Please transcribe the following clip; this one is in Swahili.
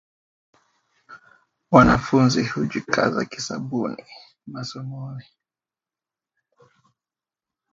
wanafunzi hujikaza kisabuni masomoni